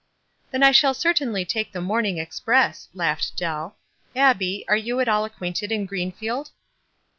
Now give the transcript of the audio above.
"Then I shall certainly take the morning ex press," laughed Dell. " Abbie, are you at all acquainted in Greenfield